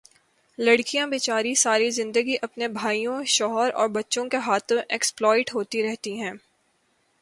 لڑکیاں بے چاری ساری زندگی اپنے بھائیوں، شوہر اور بچوں کے ہاتھوں ایکسپلائٹ ہوتی رہتی ہیں